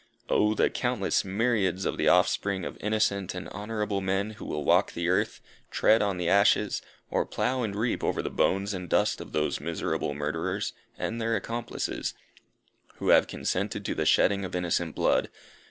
Oh! the countless myriads of the offspring of innocent and honourable men who will walk the earth, tread on the ashes, or plow and reap over the bones and dust of those miserable murderers and their accomplices who have consented to the shedding of innocent blood!